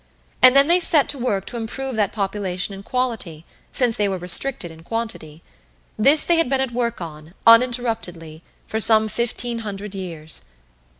And then they set to work to improve that population in quality since they were restricted in quantity. This they had been at work on, uninterruptedly, for some fifteen hundred years.